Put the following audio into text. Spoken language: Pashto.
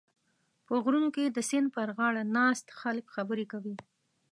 په غرونو کې د سیند پرغاړه ناست خلک خبرې کوي.